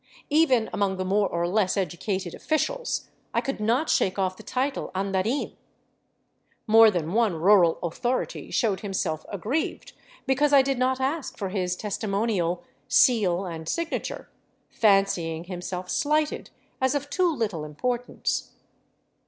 Even among the more or less educated officials I could not shake off the title " andarin." More than one rural " authority " showed himself aggrieved because I did not ask for his lestimonal, seal, and signature, fancying himself slighted as of too little importance.